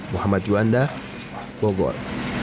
muhammad juanda bogor